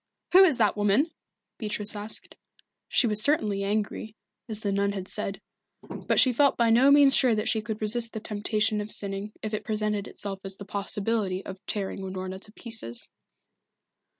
"Who is that woman?" Beatrice asked. She was certainly angry, as the nun had said, but she felt by no means sure that she could resist the temptation of sinning if it presented itself as the possibility of tearing Unorna to pieces.